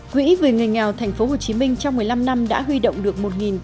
quỹ vì người nghèo tp hcm trong một mươi năm năm đã huy động được